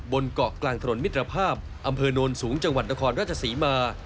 บนเกาะกลางถนนมิตรภาพอำเภอโนนสูงจังหวัดนครราชศรีมา